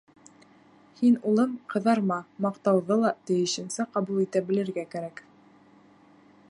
— Һин, улым, ҡыҙарма, маҡтауҙы ла тейешенсә ҡабул итә белергә кәрәк.